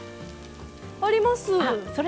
あります。